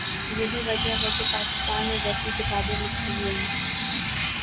یہی وجہ ہے کہ پاکستان میں ویسی کتابیں لکھی گئیں۔